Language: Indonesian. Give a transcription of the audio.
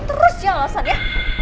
terus jelasan ya